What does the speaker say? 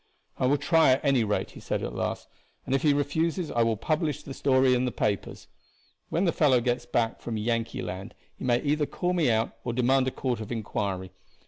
"I will try at any rate," he said at last; "and if he refuses I will publish the story in the papers. When the fellow gets back from Yankee land he may either call me out or demand a court of inquiry.